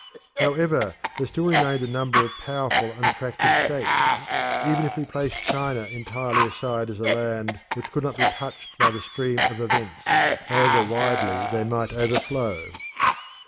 However, there still remained a number of powerful and attractive states, even if we place China entirely aside as a land which could not be touched by the stream of events, however widely they might overflow.